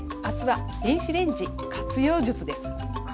明日は「電子レンジ活用術」です。